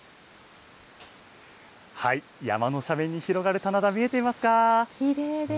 山の斜面に広がる棚田、見えきれいです。